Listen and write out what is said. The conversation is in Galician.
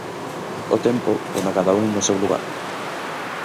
O tempo pon a cada un no seu lugar.